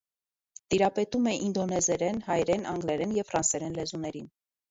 Տիրապետում է ինդոնեզերեն, հայերեն, անգլերեն և ֆրանսերեն լեզուներին։